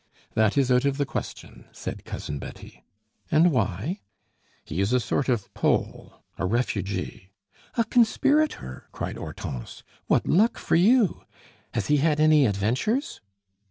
"That is out of the question," said Cousin Betty. "And why?" "He is a sort of Pole a refugee " "A conspirator?" cried Hortense. "What luck for you! Has he had any adventures?"